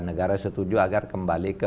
negara setuju agar kembali ke